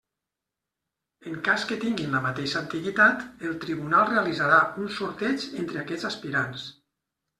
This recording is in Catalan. En cas que tinguin la mateixa antiguitat, el tribunal realitzarà un sorteig entre aquests aspirants.